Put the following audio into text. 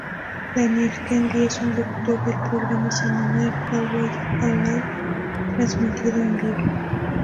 Daniel Kandi es el locutor del programa semanal "Always Alive", transmitido en vivo.